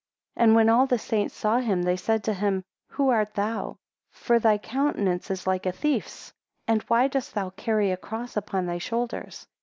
6 And when all the saints saw him, they said to him, Who art thou? For thy countenance is like a thief's; and why dost thou carry a cross upon thy shoulders?